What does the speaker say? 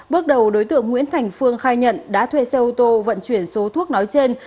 bước đầu đối tượng nguyễn thành phương khai nhận đã thuê xe ô tô vận chuyển số thuốc nói trên